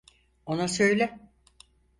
Ona söyle.